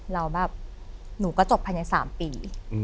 เราแบบหนูก็จบแพนใน๓ปี